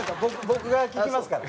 僕が聞きますから。